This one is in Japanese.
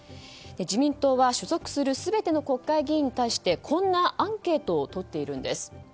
自民党は所属する全ての国会議員に対してこんなアンケートをとっているんです。